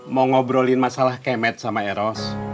mau ngobrolin masalah kemet sama eros